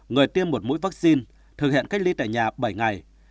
người tiêm một mũi vaccine thực hiện cách ly tại nhà bảy ngày